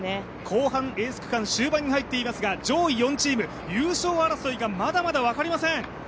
後半エース区間終盤に入っていますが上位４チーム優勝争いがまだまだ分かりません。